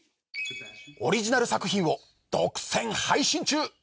オリジナル作品を独占配信中！